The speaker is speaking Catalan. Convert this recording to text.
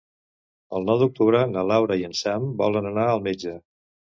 El nou d'octubre na Laura i en Sam volen anar al metge.